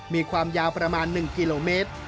มีความยาวประมาณ๑กิโลเมตร